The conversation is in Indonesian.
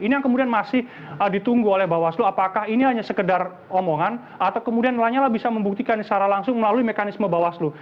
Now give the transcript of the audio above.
ini yang kemudian masih ditunggu oleh bawaslu apakah ini hanya sekedar omongan atau kemudian lanyala bisa membuktikan secara langsung melalui mekanisme bawaslu